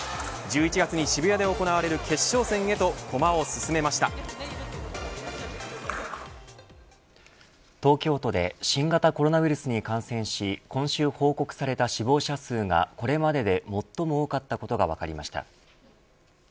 １１月に渋谷で行われる決勝戦へと東京都で新型コロナウイルスに感染し今週報告された死亡者数がこれまでで最も多かったことが分かりました。